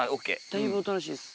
だいぶおとなしいです。